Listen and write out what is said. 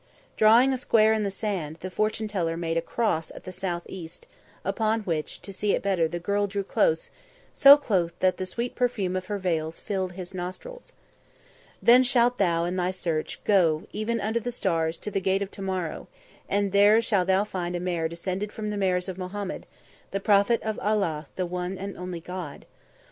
Drawing a square in the sand, the fortune teller made a cross at the south east, upon which, to see it better, the girl drew close so close that the sweet perfume of her veils filled his nostrils. "Then shalt thou, in thy search, go, even under the stars, to the Gate of Tomorrow, and there shall thou find a mare descended from the mares of Mohammed, the Prophet of Allah the one and only God.